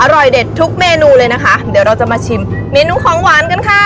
อร่อยเด็ดทุกเมนูเลยนะคะเดี๋ยวเราจะมาชิมเมนูของหวานกันค่ะ